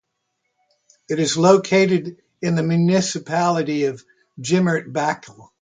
It is located in the municipality of Gemert-Bakel.